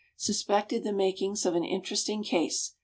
Suspected the makings of an interesting case.